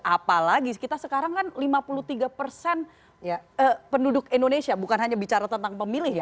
apalagi kita sekarang kan lima puluh tiga persen penduduk indonesia bukan hanya bicara tentang pemilih ya